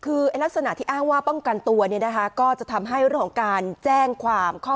คือลักษณะที่อ้างว่าป้องกันตัวเนี่ยนะคะก็จะทำให้เรื่องของการแจ้งความ